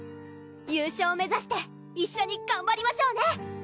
優勝目指して一緒にがんばりましょうね！